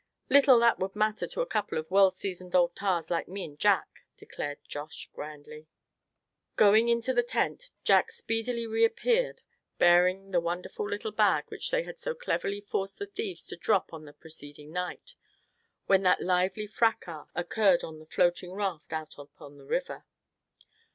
"Little that would matter to a couple of well seasoned old tars like me'n Jack!" declared Josh grandly. Going into the tent Jack speedily reappeared bearing the wonderful little bag which they had so cleverly forced the thieves to drop on the preceding night, when that lively fracas occurred on the floating raft out upon the river.